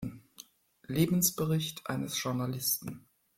Lebensbericht eines Journalisten".